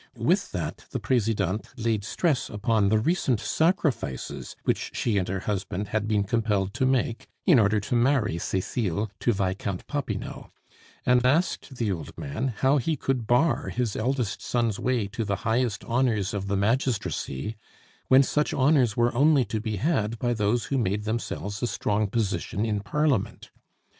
With that the Presidente laid stress upon the recent sacrifices which she and her husband had been compelled to make in order to marry Cecile to Viscount Popinot, and asked the old man how he could bar his eldest son's way to the highest honors of the magistracy, when such honors were only to be had by those who made themselves a strong position in parliament.